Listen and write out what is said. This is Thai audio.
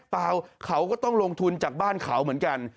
เปล่าเขาก็ต้องลงทุนจากบ้านเขาเหมือนกัน